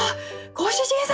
ご主人様！